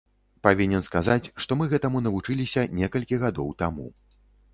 Павінен сказаць, што мы гэтаму навучыліся некалькі гадоў таму.